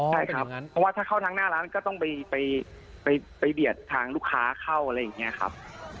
ใช่ครับเพราะว่าถ้าเข้าทางหน้าร้านก็ต้องไปเบียดทางลูกค้าเข้าอะไรอย่างนี้ครับ